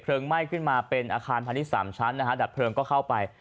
แพลงไหม้ขึ้นมาเป็นอาคารมันน้ำดาบเพลิงก็เข้าไป